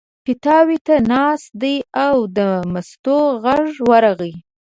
پیتاوي ته ناست دی او د مستو غږ ورغی.